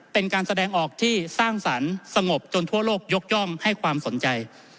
เป็นการแสดงออกที่สร้างสรรค์สงบจนทั่วโลกยกย่องให้ความสนใจ